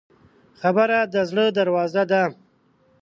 خبره د زړه دروازه ده.